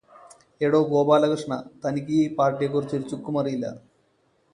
എടോ ഗോപാലകൃഷ്ണാ തനിക്ക് ഈ പാർടിയെക്കുറിച്ച് ഒരു ചുക്കും അറിയില്ല